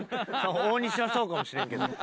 大西はそうかもしれんけど。